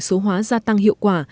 số hóa gia tăng hiệu quả